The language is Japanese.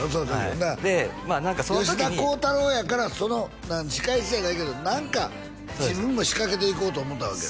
はいで何かその時に吉田鋼太郎やからその仕返しじゃないけど何か自分も仕掛けていこうと思うたわけやね